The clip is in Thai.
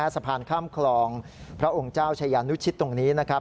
สะพานข้ามคลองพระองค์เจ้าชายานุชิตตรงนี้นะครับ